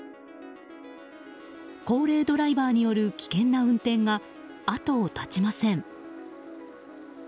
高齢ドライバーによる危険な運転が後を絶ちません。